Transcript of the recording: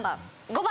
５番。